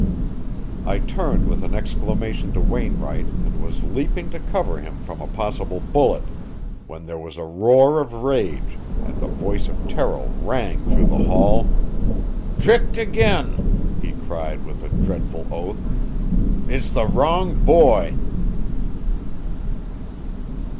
I turned with an exclamation to Wainwright and was leaping to cover him from a possible bullet, when there was a roar of rage and the voice of Terrill rang through the hall: "Tricked again!" he cried with a dreadful oath. "It's the wrong boy!"